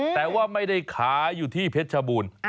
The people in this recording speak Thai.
แต่ว่าไม่ได้ขายอยู่ที่เพชรชบูรณ์